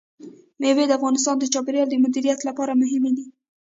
مېوې د افغانستان د چاپیریال د مدیریت لپاره مهم دي.